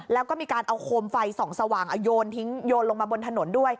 แล้วก็มีการเอาโคมไฟส่องสว่างโยนลงมาบนถนนด้วย